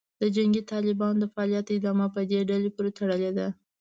د جنګي طالبانو د فعالیت ادامه په دې ډلې پورې تړلې ده